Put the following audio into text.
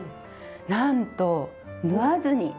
なんと縫わずに！